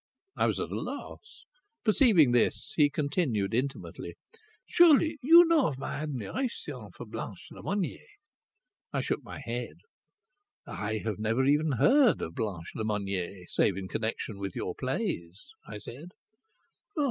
I was at a loss. Perceiving this, he continued intimately: "Surely you know of my admiration for Blanche Lemonnier?" I shook my head. "I have never even heard of Blanche Lemonnier, save in connection with your plays," I said.